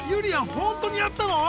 本当にやったの？